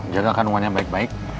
jaga kandungannya baik baik